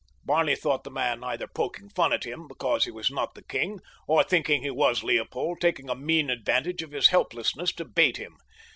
Barney thought the man either poking fun at him because he was not the king, or, thinking he was Leopold, taking a mean advantage of his helplessness to bait him.